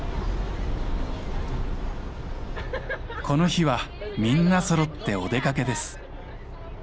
この日はみんなそろってお出かけです。